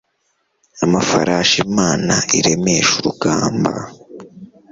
Amafarasi Imana iremesha urugamba